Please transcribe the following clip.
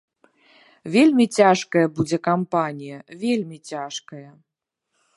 Вельмі цяжкая будзе кампанія, вельмі цяжкая.